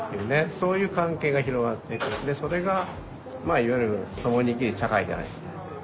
そういう関係が広がっていくでそれがいわゆる“ともに生きる社会”じゃないですか。